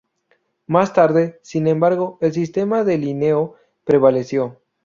Más tarde, sin embargo, el sistema de Linneo prevaleció.